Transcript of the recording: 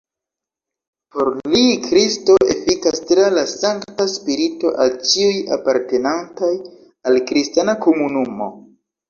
Por li Kristo efikas tra la Sankta Spirito al ĉiuj apartenantaj al kristana komunumo.